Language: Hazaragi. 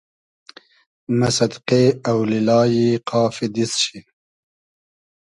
مۂ سئدقې اۆلیلای قافی دیست شی